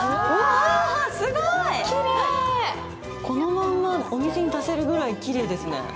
このまんまお店に出せるぐらいきれいですね。